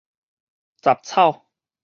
雜草